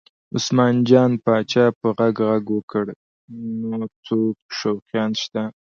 عثمان جان پاچا په غږ غږ وکړ نور څوک شوقیان شته؟